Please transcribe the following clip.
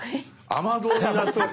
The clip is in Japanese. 雨どうになっとる。